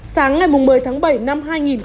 sáng ngày một mươi tháng bảy năm hai nghìn hai mươi